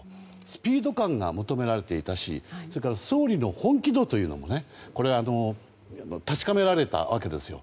スピード感が求められていたしそれから総理の本気度も確かめられたわけですよ。